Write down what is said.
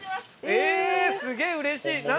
すげえうれしい。